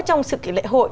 trong sự kiện lễ hội